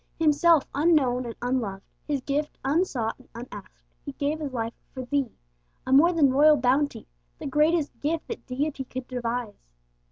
Himself unknown and unloved, His gift unsought and unasked, He gave His life for thee; a more than royal bounty the greatest gift that Deity could devise.